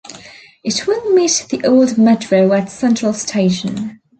It will meet the old metro at Central Station.